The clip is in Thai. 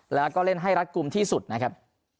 แล้วก็เล่นให้รัดกลุ่มที่สุดนะครับ